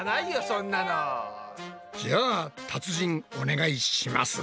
そんなの。じゃあ達人お願いします！